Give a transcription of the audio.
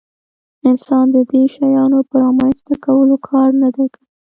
انسان د دې شیانو په رامنځته کولو کار نه دی کړی.